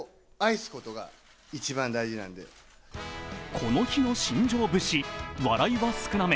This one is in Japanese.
この日の新庄節、笑いは少なめ